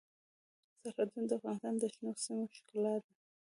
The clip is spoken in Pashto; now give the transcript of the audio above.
سرحدونه د افغانستان د شنو سیمو ښکلا ده.